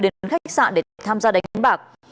đến khách sạn để tham gia đánh bạc